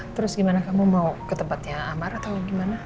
terus gimana kamu mau ke tempatnya amar atau gimana